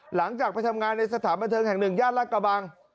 หลังจากไปทำงานในสถานบันเทิงแห่งหนึ่งย่านรักกระบัง